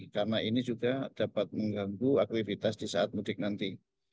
karena ini juga dapat mengganggu aktivitas di saat mudik nanti